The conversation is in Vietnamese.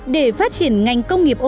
để phát triển ngành công nghiệp ô tô